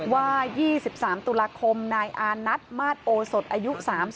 ว่า๒๓ตุลาคมนายอานัทมาสโอสดอายุ๓๒